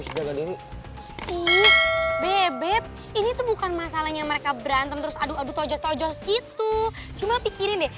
jaga diri bebep ini tuh bukan masalahnya mereka berantem terus aduh aduh tojos tojos gitu cuma pikirin deh